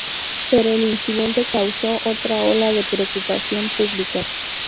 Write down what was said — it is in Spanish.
Pero el incidente causó otra ola de preocupación pública.